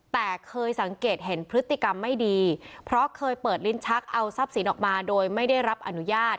แต่เคยสังเกตเห็นพฤติกรรมไม่ดีเพราะเคยเปิดลิ้นชักเอาทรัพย์สินออกมาโดยไม่ได้รับอนุญาต